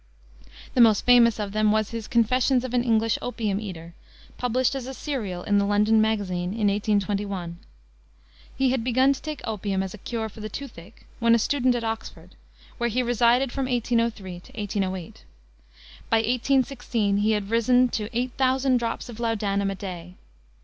The most famous of them was his Confessions of an English Opium Eater, published as a serial in the London Magazine, in 1821. He had begun to take opium, as a cure for the toothache, when a student at Oxford, where he resided from 1803 to 1808. By 1816 he had risen to eight thousand drops of laudanum a day.